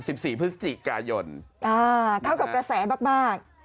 สิบสี่พฤศจิกายนอ่าเข้ากับกระแสมากมาก